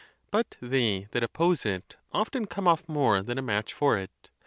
But they that oppose it, often come off more than a match for it.